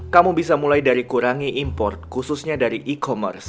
kamu bisa mulai dari kurangi import khususnya dari e commerce